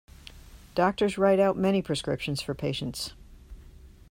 Doctor's write out many prescriptions for patients.